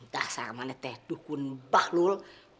dasar mana teh dukun bahlul